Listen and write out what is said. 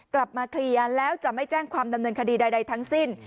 กลับมาเคลียร์แล้วจะไม่แจ้งความดำเนินคดีใดทั้งสิ้น